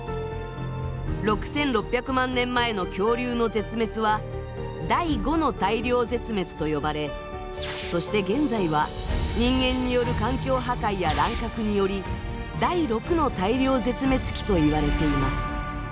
６，６００万年前の恐竜の絶滅は「第５の大量絶滅」と呼ばれそして現在は人間による環境破壊や乱獲により第６の大量絶滅期といわれています。